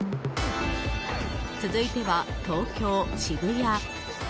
続いては東京・渋谷。